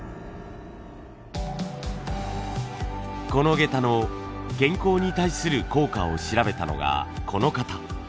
この下駄の健康に対する効果を調べたのがこの方。